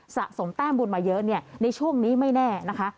สะสมแต้มบุญมาเยอะในช่วงนี้ไม่แน่นะคะ